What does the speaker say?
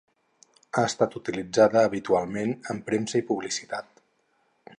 Ha estat utilitzada habitualment en premsa i publicitat.